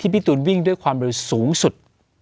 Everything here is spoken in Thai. พี่ตูนวิ่งด้วยความเร็วสูงสุด